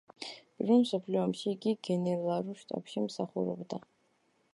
პირველ მსოფლიო ომში იგი გენერალურ შტაბში მსახურობდა.